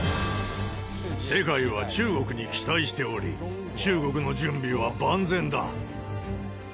世界は中国に期待しており、中国の準備は万全だ。